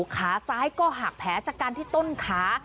ขาซ้ายก็หักแผลชะกันที่ต้นขา